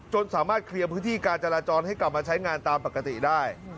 สามารถเคลียร์พื้นที่การจราจรให้กลับมาใช้งานตามปกติได้